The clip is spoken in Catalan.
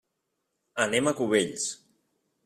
Anem a Cubells.